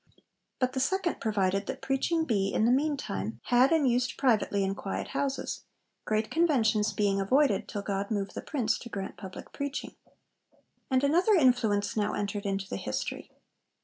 But the second provided that preaching be, in the meantime, 'had and used privately in quiet houses,' great conventions being avoided 'till God move the Prince to grant public preaching.' And another influence now entered into the history.